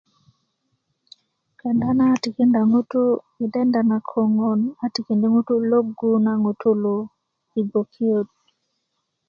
kenda na tikinda ŋutu' yi denda na koŋon a tikindi ŋutu' yi logu na ŋutuu i gbokiyot .